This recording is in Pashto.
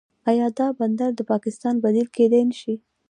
آیا دا بندر د پاکستان بدیل کیدی نشي؟